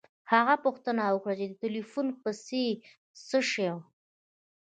هغه پوښتنه وکړه چې د ټیلیفون پیسې څه شوې